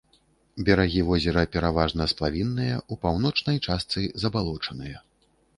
Берагі возера пераважна сплавінныя, у паўночнай частцы забалочаныя.